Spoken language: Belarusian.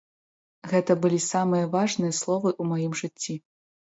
Гэта былі самыя важныя словы ў маім жыцці.